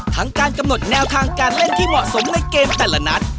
การกำหนดแนวทางการเล่นที่เหมาะสมในเกมแต่ละนัด